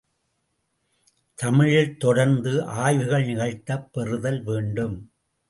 தமிழில் தொடர்ந்து ஆய்வுகள் நிகழ்த்தப் பெறுதல் வேண்டும்.